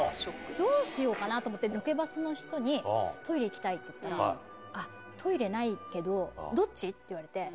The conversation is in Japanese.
どうしようかなと思って、ロケバスの人に、トイレ行きたいって言ったら、あっ、トイレないけど、どっち？って言われて。